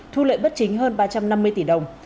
thu lợi bất chính hơn ba trăm năm mươi tỷ đồng